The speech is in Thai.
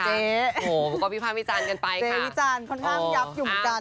เจ๊วิธรรมค่อนข้างหยับหยุมกัน